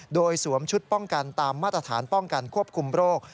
โดยสวมชุดป้องกันตามมาตรฐานป้องกันควบคุมโรค